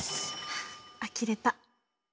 はああきれた。